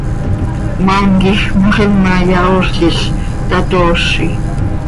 Cmaam quij moxima yahoozlil, tatoozi.